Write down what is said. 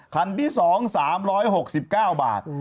คันที่๒คันที่๓๑๖๙